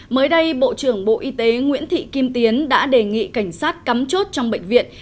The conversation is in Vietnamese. mới đây bộ trưởng bộ y tế nguyễn thị kim tiến đã đề nghị cảnh sát cắm chốt trong bệnh viện